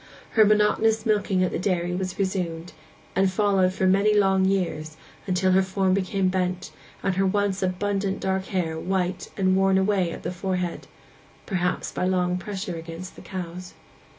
Her monotonous milking at the dairy was resumed, and followed for many long years, till her form became bent, and her once abundant dark hair white and worn away at the forehead—perhaps by long pressure against the cows.